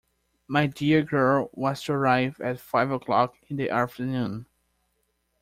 My dear girl was to arrive at five o'clock in the afternoon.